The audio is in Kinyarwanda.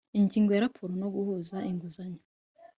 Ingingo ya Raporo no guhuza inguzanyo